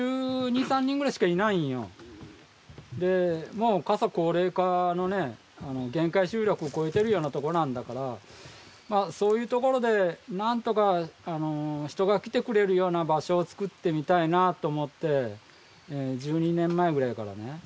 もう過疎・高齢化のね限界集落を超えているような所なんだからまあそういう所でなんとか人が来てくれるような場所をつくってみたいなと思って１２年前ぐらいからね